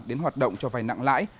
đến hoạt động cho vai nặng lãi